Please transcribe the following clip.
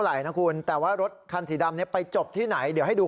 ไหลนะคุณแต่ว่ารถคันสีดำเนี่ยไปจบที่ไหนเดี๋ยวให้ดู